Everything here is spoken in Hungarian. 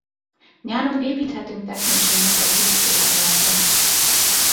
Nyáron építhetünk teknősünknek egy kifutót a kertbe.